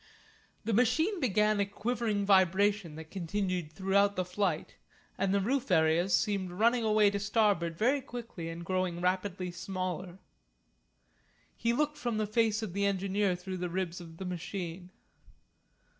The machine began a quivering vibration that continued throughout the flight, and the roof areas seemed running away to starboard very quickly and growing rapidly smaller. He looked from the face of the engineer through the ribs of the machine.